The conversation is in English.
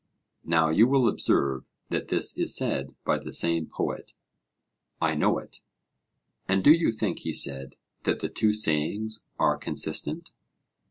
Now you will observe that this is said by the same poet. I know it. And do you think, he said, that the two sayings are consistent?